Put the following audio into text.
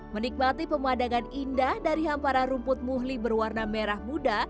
menikmati pemandangan indah dari hamparan rumput muhli berwarna merah muda